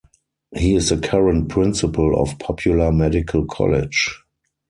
He is the current Principal of Popular Medical College.